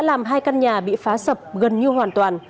các căn nhà bị phá sập gần như hoàn toàn